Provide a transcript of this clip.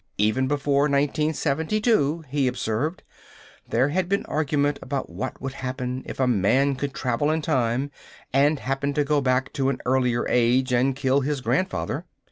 Even before 1972, he observed, there had been argument about what would happen if a man could travel in time and happened to go back to an earlier age and kill his grandfather.